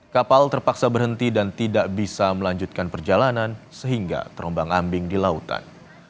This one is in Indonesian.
kapal terpaksa berhenti dan tidak bisa melanjutkan perjalanan sehingga terombang ambing di lautan